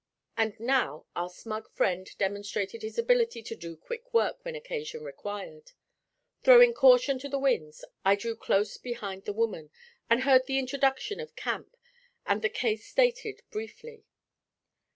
And now our smug friend demonstrated his ability to do quick work when occasion required. Throwing caution to the winds, I drew close behind the woman, and heard the introduction of Camp and the case stated briefly.